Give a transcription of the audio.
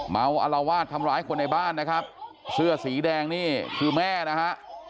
อารวาสทำร้ายคนในบ้านนะครับเสื้อสีแดงนี่คือแม่นะฮะ